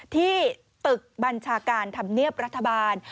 ที่ตึกบัญชาการธรรมเนียบรัฐบาล